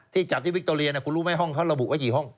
จับที่วิคโตเรียคุณรู้ไหมห้องเขาระบุไว้กี่ห้อง